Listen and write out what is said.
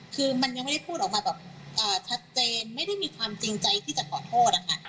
คือมันยังไม่ได้พูดออกมาแบบชัดเจนไม่ได้มีความจริงใจที่จะขอโทษนะคะ